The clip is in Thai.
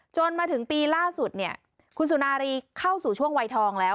จนถึงปีล่าสุดเนี่ยคุณสุนารีเข้าสู่ช่วงวัยทองแล้ว